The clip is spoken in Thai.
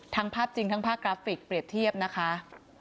ภาพจริงทั้งภาพกราฟิกเปรียบเทียบนะคะ